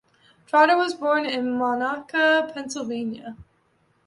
Trotter was born in Monaca, Pennsylvania.